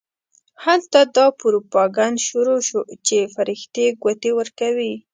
هلته دا پروپاګند شروع شو چې فرښتې ګوتې ورکوي.